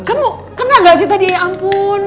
kamu kena nggak sih tadi ya ampun